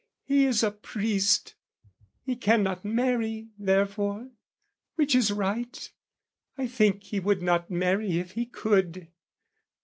He is a priest; He cannot marry therefore, which is right: I think he would not marry if he could.